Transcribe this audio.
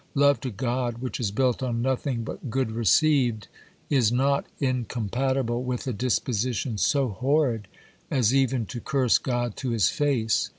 Love to God, which is built on nothing but good received, is not incompatible with a disposition so horrid as even to curse God to His face.